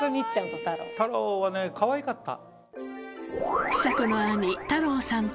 太郎はねかわいかった。